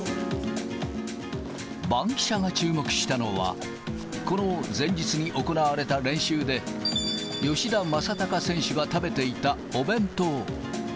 バンキシャが注目したのは、この前日に行われた練習で、吉田正尚選手が食べていたお弁当。